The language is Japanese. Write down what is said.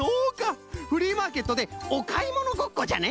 フリーマーケットでおかいものごっこじゃね！？